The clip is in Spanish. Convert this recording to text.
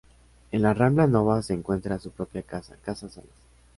En la Rambla Nova se encuentra su propia casa, Casa Salas.